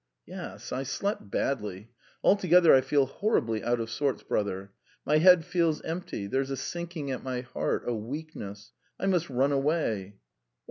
"Yes, I slept badly. ... Altogether, I feel horribly out of sorts, brother. My head feels empty; there's a sinking at my heart, a weakness. ... I must run away."